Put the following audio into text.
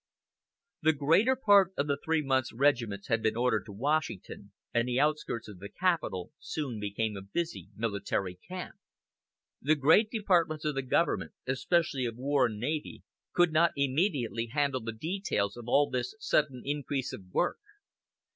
The greater part of the three months' regiments had been ordered to Washington, and the outskirts of the capital soon became a busy military camp. The great Departments of the Government, especially of War and Navy, could not immediately handle the details of all this sudden increase of work.